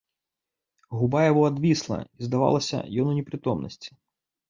Губа яго адвісла, і здавалася, ён у непрытомнасці.